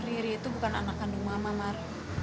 riri itu bukan anak kandung mama mar